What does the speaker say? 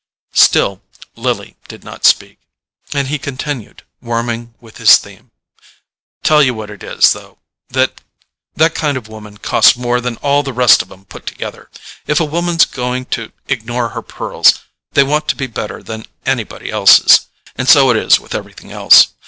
'" Still Lily did not speak, and he continued, warming with his theme: "Tell you what it is, though, that kind of woman costs more than all the rest of 'em put together. If a woman's going to ignore her pearls, they want to be better than anybody else's—and so it is with everything else.